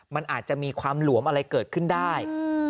มันอาจจะมีความหลวมอะไรเกิดขึ้นได้